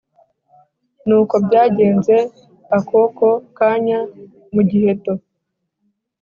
Nuko byagenze akokokanya mu giheto